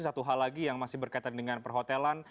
satu hal lagi yang masih berkaitan dengan perhotelan